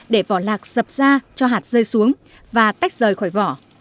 để vỏ lạc dập ra cho hạt rơi xuống và tách rời khỏi